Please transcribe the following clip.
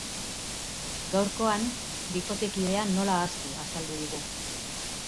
Gaurkoan, bikotekidea nola ahaztu azaldu digu.